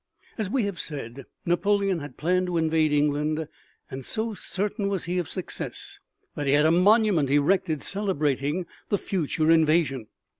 As we have said Napoleon had planned to invade England and so certain was he of success that he had a monument erected celebrating the future invasion.